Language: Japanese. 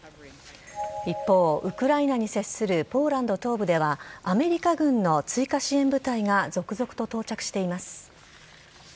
一方、ウクライナに接するポーランド東部では、アメリカ軍の追加支援部隊が続々と到着しています。